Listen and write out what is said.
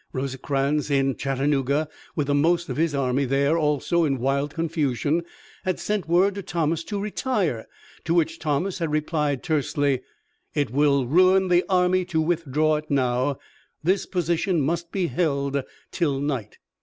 Rosecrans in Chattanooga, with the most of his army there also in wild confusion, had sent word to Thomas to retire, to which Thomas had replied tersely: "It will ruin the army to withdraw it now; this position must be held till night."